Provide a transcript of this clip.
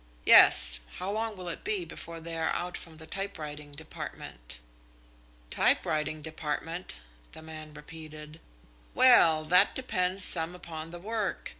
"Yes! How long will it be before they are out from the typewriting department?" "Typewriting department?" the man repeated. "Well, that depends some upon the work.